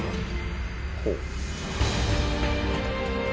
ほう。